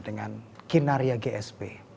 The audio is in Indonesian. dengan kinaria gsb